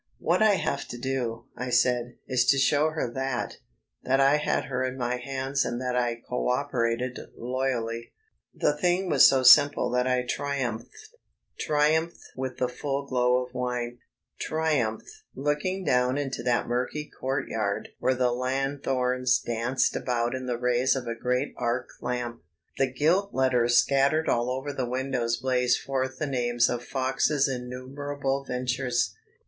"What I have to do," I said, "is to show her that ... that I had her in my hands and that I co operated loyally." The thing was so simple that I triumphed; triumphed with the full glow of wine, triumphed looking down into that murky court yard where the lanthorns danced about in the rays of a great arc lamp. The gilt letters scattered all over the windows blazed forth the names of Fox's innumerable ventures.